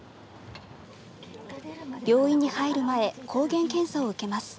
病院に入る前抗原検査を受けます。